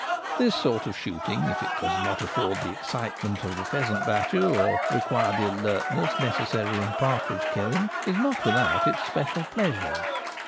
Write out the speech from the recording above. This sort of shooting, if it does not afford the excitement of the pheasant battue, or require the alertness necessary in partridge killing, is not without its special pleasures.